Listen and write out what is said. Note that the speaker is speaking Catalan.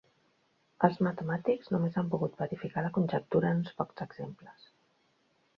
Els matemàtics només han pogut verificar la conjectura en uns pocs exemples.